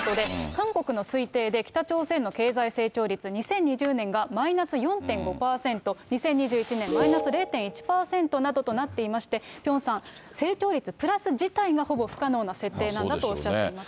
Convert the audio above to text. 韓国の推定で北朝鮮の経済成長率、２０２０年がマイナス４．５％、２０２１年マイナス０．１％などとなっていまして、ピョンさん、成長率プラス自体はほぼ不可能な設定なんだとおっしゃっています